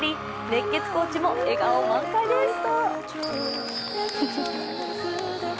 熱血コーチも笑顔満開です。